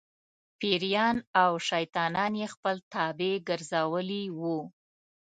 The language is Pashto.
پېریان او شیطانان یې خپل تابع ګرځولي وو.